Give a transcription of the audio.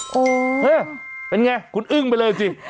เป็นไงคุณอึ้งไปเลยจริง